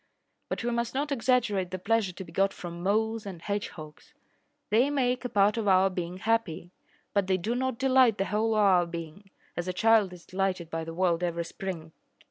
But we must not exaggerate the pleasure to be got from moles and hedgehogs. They make a part of our being happy, but they do not delight the whole of our being, as a child is delighted by the world every spring.